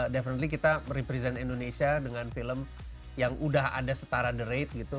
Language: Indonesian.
divertly kita represent indonesia dengan film yang udah ada setara the rate gitu